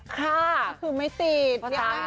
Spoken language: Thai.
ก็คือไม่ติด